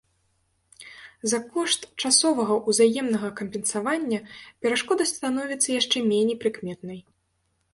За кошт часовага ўзаемнага кампенсавання, перашкода становіцца яшчэ меней прыкметнай.